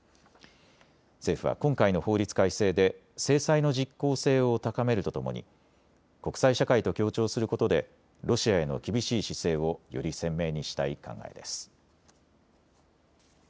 政府は今回の法律改正で制裁の実効性を高めるとともに国際社会と協調することでロシアへの厳しい姿勢をより鮮明にしたい考えです。